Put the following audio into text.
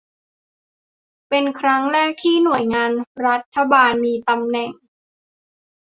เป็นครั้งแรกที่หน่วยงานรัฐบาลมีตำแหน่ง